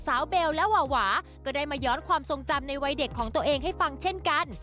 เบลและวาวาก็ได้มาย้อนความทรงจำในวัยเด็กของตัวเองให้ฟังเช่นกัน